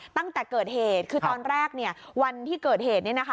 ตั้งแต่เกิดเหตุคือตอนแรกเนี่ยวันที่เกิดเหตุเนี่ยนะคะ